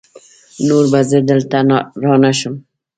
نور به زه دلته رانشم!